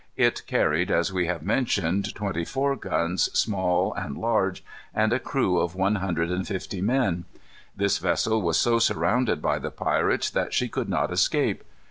It carried, as we have mentioned, twenty four guns, large and small, and a crew of one hundred and fifty men. This vessel was so surrounded by the pirates that she could not escape.